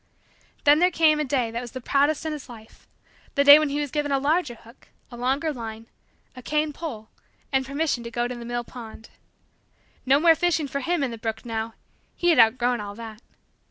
Then there came a day that was the proudest in his life the day when he was given a larger hook, a longer line, a cane pole, and permission to go to the mill pond. No more fishing for him in the brook now! He had outgrown all that.